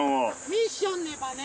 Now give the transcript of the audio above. ミッションネバね。